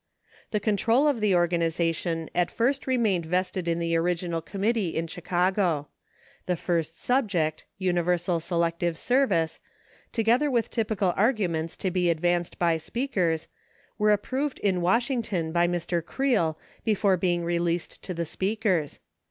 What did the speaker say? The control of the organization at first remained vested in the original committee in Chicago. The first subject, "Universal Selective Service," together with typical arguments to be advanced by speakers, were approved in Washington by Mr. Creel before being released to the speakers.